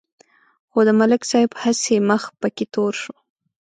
خو د ملک صاحب هسې مخ پکې تور شو.